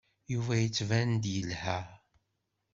Yuba yettban-d yelha.